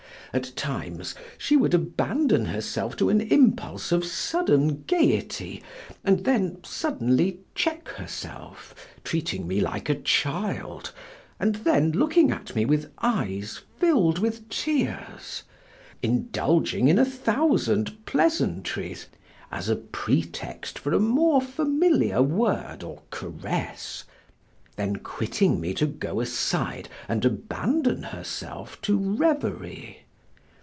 At times, she would abandon herself to an impulse of sudden gaiety and then suddenly check herself, treating me like a child, and then looking at me with eyes filled with tears; indulging in a thousand pleasantries, as a pretext for a more familiar word or caress, then quitting me to go aside and abandon herself to reverie.